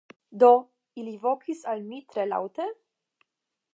Do, ili vokis al mi tre laŭte: